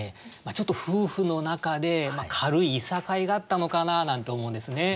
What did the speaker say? ちょっと夫婦の中で軽いいさかいがあったのかな？なんて思うんですね。